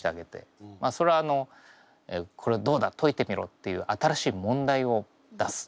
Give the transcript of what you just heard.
それは「これどうだ解いてみろ」っていう新しい問題を出す。